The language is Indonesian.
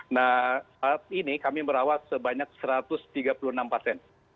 nah saat ini kami merawat sebanyak satu ratus tiga puluh enam pasien